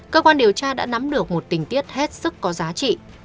cơ quan điều tra đã nắm được một tình tiết hết sức có giá trị